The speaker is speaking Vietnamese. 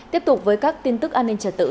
tiếp tục với các tin tức an ninh trật tự